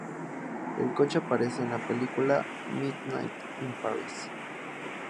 El coche aparece en la película "Midnight in Paris".